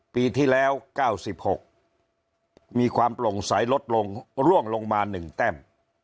ปีที่แล้ว๙๖มีความโปร่งใสลดลงร่วงลงมา๑แต้ม